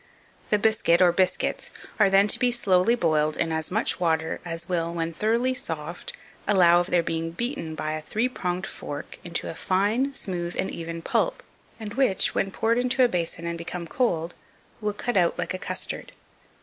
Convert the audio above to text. The biscuit or biscuits are then to be slowly boiled in as much water as will, when thoroughly soft, allow of their being beaten by a three pronged fork into a fine, smooth, and even pulp, and which, when poured into a basin and become cold, will cut out like a custard.